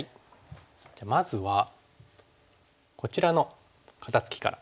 じゃあまずはこちらの肩ツキから。